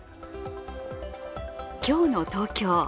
今日の東京。